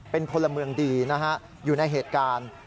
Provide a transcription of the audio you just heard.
เป็นพลเมืองดีนะฮะอยู่ในเหตุการณ์